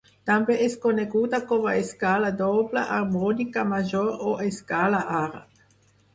També és coneguda com a escala doble harmònica major o escala àrab.